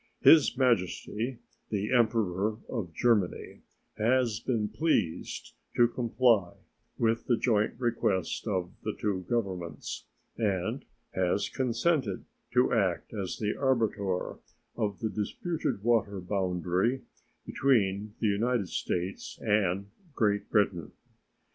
His Majesty the Emperor of Germany has been pleased to comply with the joint request of the two Governments, and has consented to act as the arbitrator of the disputed water boundary between the United States and Great Britain.